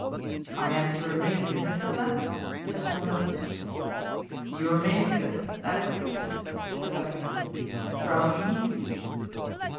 "I am to remain minister, then?" said Mazarin. "You remain minister; that is understood," said D'Artagnan; "France needs you."